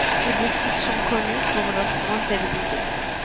Ces boutiques sont connues pour leur rentabilité.